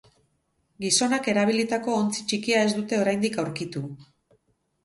Gizonak erabilotako ontzi txikia ez dute oraindik aurkitu.